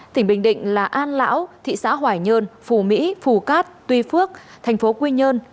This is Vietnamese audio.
tỉnh bình định là an lão thị xã hoài nhơn phù mỹ phù cát tuy phước thành phố quy nhơn